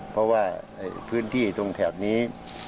เพราะว่าพื้นที่ตรงแถบนี้